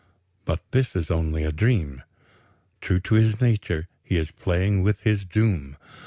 "But this is only a dream. True to his nature, he is playing with his doom.